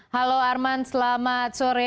halo arman selamat sore